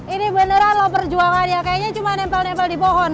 ini beneran loh perjuangannya kayaknya cuma nempel nempel di pohon